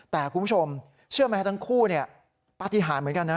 แต่คุณผู้ชมเชื่อไหมทั้งคู่ปฏิหารเหมือนกันนะ